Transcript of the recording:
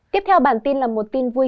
tiếp theo bản tin là một tin vui